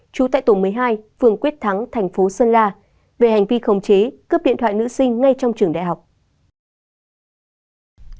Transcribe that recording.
trú tại tổ một mươi hai phường quyết thắng thành phố sơn la về hành vi khống chế cướp điện thoại nữ sinh ngay trong trường đại học